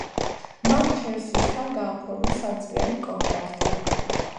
მან „ჩელსისთან“ გააფორმა სამწლიანი კონტრაქტი.